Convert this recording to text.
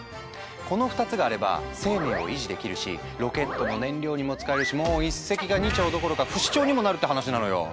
この２つがあれば生命を維持できるしロケットの燃料にも使えるしもう一石が二鳥どころか不死鳥にもなるって話なのよ。